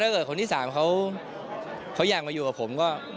เกิดคนที่๓เขาอยากมาอยู่กับผมก็